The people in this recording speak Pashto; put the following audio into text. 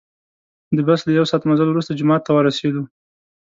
د بس له یو ساعت مزل وروسته جومات ته ورسیدو.